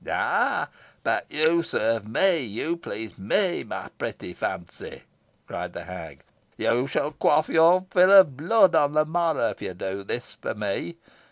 "Ay, but you serve me you please me, my pretty Fancy," cried the hag. "You shall quaff your fill of blood on the morrow, if you do this for me.